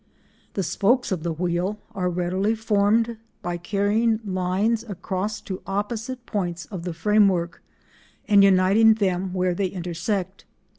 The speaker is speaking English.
The spokes of the wheel are readily formed by carrying lines across to opposite points of the frame work and uniting them where they intersect.